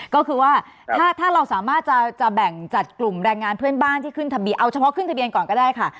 ก็คือว่าถ้าเราสามารถจะแบ่งจัดกลุ่มแรงงานเพื่อนบ้านที่ขึ้นทะเบียนเอาเฉพาะขึ้นทะเบียนก่อนก็ได้ค่ะ